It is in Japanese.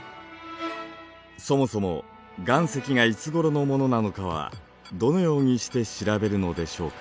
そもそも岩石がいつごろのものなのかはどのようにして調べるのでしょうか？